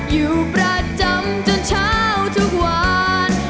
อยู่ประจำจนเช้าทุกวัน